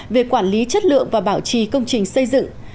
về quản lý chất lượng và bảo trì công trình xây dựng